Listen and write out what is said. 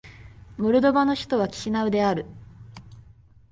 モルドバの首都はキシナウである